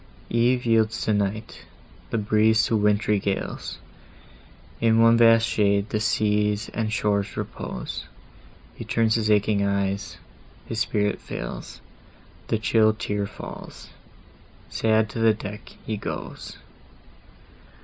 Eve yields to night, the breeze to wintry gales, In one vast shade the seas and shores repose; He turns his aching eyes,—his spirit fails, The chill tear falls;—sad to the deck he goes!